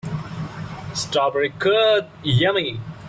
Strawberry curd, yummy!